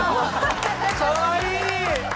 かわいい！